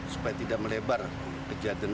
supaya tidak melebar kejadiannya